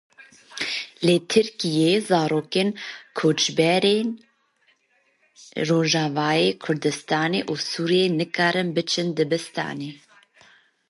Li Tirkiyeyê zarokên koçber ên Rojavayê Kurdistanê û Sûrî nikarin biçin dibistanê.